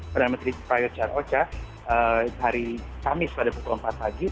perdana menteri char ocha hari kamis pada pukul empat pagi